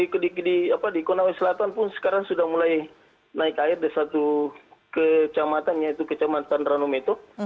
di konawe selatan pun sekarang sudah mulai naik air di satu kecamatan yaitu kecamatan ranumeto